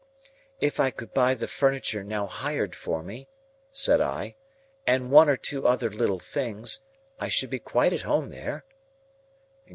"If I could buy the furniture now hired for me," said I, "and one or two other little things, I should be quite at home there."